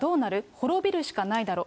滅びるしかないだろう。